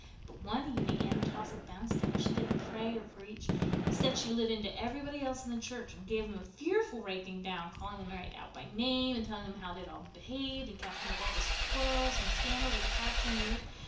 But one evening Aunt Atossa bounced up. She didn't either pray or preach. Instead, she lit into everybody else in the church and gave them a fearful raking down, calling them right out by name and telling them how they all had behaved, and casting up all the quarrels and scandals of the past ten years.